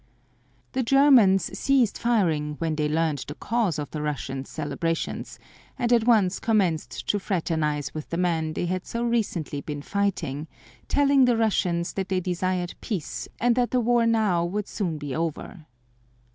The Germans ceased firing when they learned the cause of the Russians' celebrations, and at once commenced to fraternize with the men they had so recently been fighting, telling the Russians that they desired peace and that the war now would soon be over.